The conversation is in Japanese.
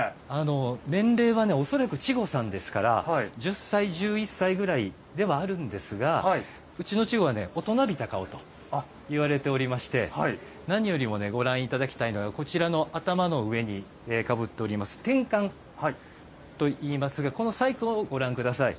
年齢は恐らく稚児さんですから１０歳、１１歳ぐらいではあるんですがうちの稚児は大人びた顔といわれておりまして何よりも、ご覧いただきたいのが頭の上にかぶっています天冠といいますがこの細工をご覧ください。